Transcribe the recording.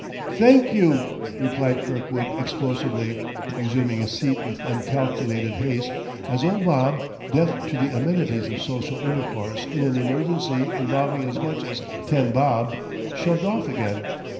"Thank you!" replied Kirkwood explosively, resuming his seat with uncalculated haste as old Bob, deaf to the amenities of social intercourse in an emergency involving as much as ten bob, shoved off again.